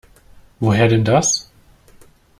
Woher denn das?